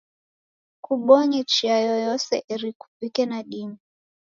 Kubonye chia yoyose eri kuvike nadime